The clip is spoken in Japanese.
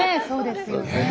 そうですよね。